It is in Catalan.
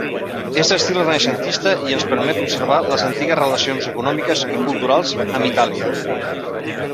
És d'estil renaixentista i ens permet observar les antigues relacions econòmiques i culturals amb Itàlia.